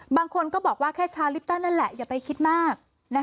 บางคนก็บอกว่าแค่ชาลิปตันนั่นแหละอย่าไปคิดมาก